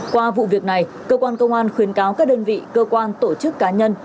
qua vụ việc này cơ quan công an khuyến cáo các đơn vị cơ quan tổ chức cá nhân